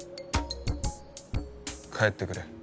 帰ってくれ。